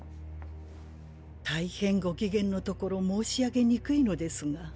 大変ご機嫌のところ申し上げにくいのですが。